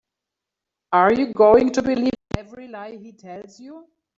Are you going to believe every lie he tells you?